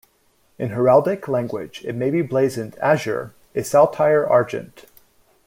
In heraldic language, it may be blazoned "azure", a saltire "argent".